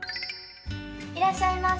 いらっしゃいませ。